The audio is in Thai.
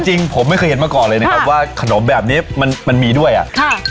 จริงผมไม่เคยเห็นมาก่อนเลยนะครับว่าขนมแบบนี้มันมันมีด้วยอ่ะค่ะ